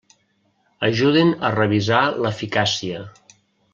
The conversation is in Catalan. Ajuden a revisar l'eficàcia.